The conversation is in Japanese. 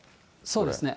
そうですね。